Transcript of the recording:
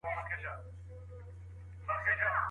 که بسونه ډیر لوګی ونه کړي، نو چاپیریال نه ککړیږي.